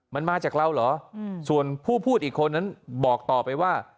มันมาจากเราเหรอส่วนผู้พูดอีกคนนั้นบอกต่อไปว่า